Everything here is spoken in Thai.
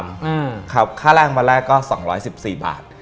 ระดับแรงวันแรกก็๒๑๔บาท